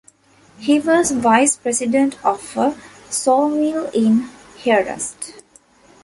He was vice-president of a sawmill in Hearst.